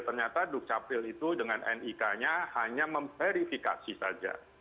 ternyata dukcapil itu dengan nik nya hanya memverifikasi saja